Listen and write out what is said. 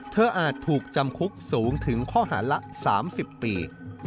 อาจถูกจำคุกสูงถึงข้อหาละ๓๐ปี